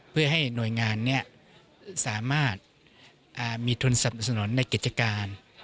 เพื่อให้หน่วยงานนี้สามารถมีทุนสนับสนุนในกิจการ